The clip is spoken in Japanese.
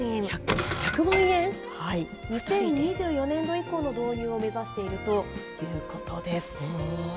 ２０２４年度以降の導入を目指しているということです。